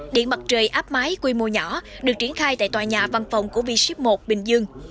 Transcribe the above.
điện mặt trời áp máy quy mô nhỏ được triển khai tại tòa nhà văn phòng của v ship một bình dương